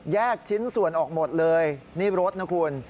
ชิ้นส่วนออกหมดเลยนี่รถนะคุณ